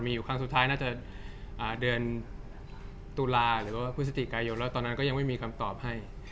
มีอยู่ครั้งสุดท้ายน่าจะเดือนตุลาหรือว่าพฤศจิกายนแล้วตอนนั้นก็ยังไม่มีคำตอบให้